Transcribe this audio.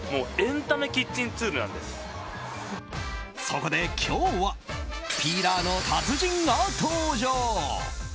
そこで今日はピーラーの達人が登場！